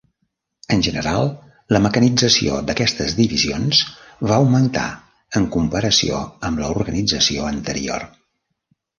En general, la mecanització d'aquestes divisions va augmentar, en comparació amb l'organització anterior.